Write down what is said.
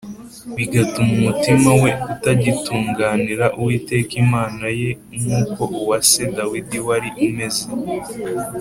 bigatuma umutima we utagitunganira Uwiteka Imana ye nk’uko uwa se Dawidi wari umeze